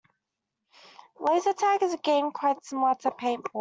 Laser tag is a game quite similar to paintball.